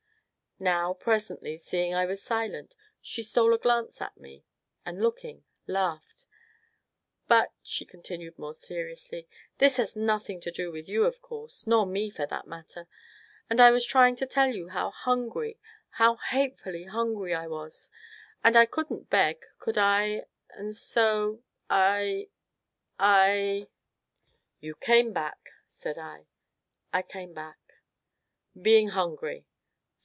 Now presently, seeing I was silent, she stole a glance at me, and looking, laughed. "But," she continued more seriously, "this has nothing to do with you, of course, nor me, for that matter, and I was trying to tell you how hungry how hatefully hungry I was, and I couldn't beg, could I, and so and so I I " "You came back," said I. "I came back." "Being hungry."